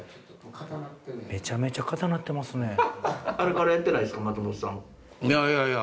めちゃめちゃ硬なってますね。